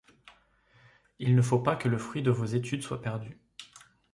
Il ne faut pas que le fruit de vos études soit perdu.